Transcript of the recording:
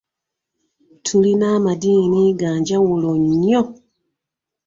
Tulina amadiini ga njawulo nnyo.